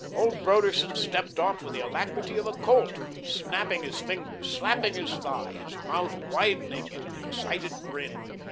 Old Broderson stepped off with the alacrity of a colt, snapping his fingers, slapping his thigh, his mouth widening in an excited grin.